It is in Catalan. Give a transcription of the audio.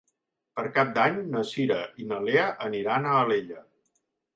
Per Cap d'Any na Cira i na Lea aniran a Alella.